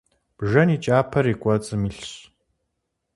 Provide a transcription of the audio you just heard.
Бжэн и кӏапэр и кӏуэцӏым илъщ.